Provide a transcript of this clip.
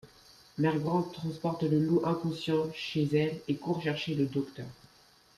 Mère-grand transporte le loup inconscient chez elle et court chercher le docteur.